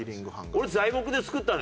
俺材木で作ったね。